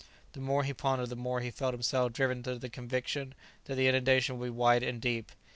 The more he pondered the more he felt himself driven to the conviction that the inundation would be wide and deep.